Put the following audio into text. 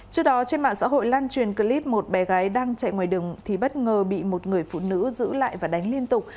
trước đó trên mạng xã hội lan truyền clip một bé gái đang chạy ngoài đường thì bất ngờ bị một người phụ nữ giữ lại và đánh liên tục